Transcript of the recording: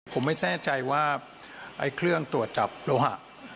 ผมไม่แน่ใจว่าไอ้เครื่องตรวจจับโลหะ